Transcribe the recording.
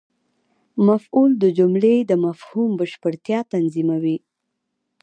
مفعول د جملې د مفهوم بشپړتیا تضمینوي.